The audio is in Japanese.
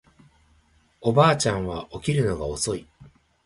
おばあちゃんは起きるのが遅い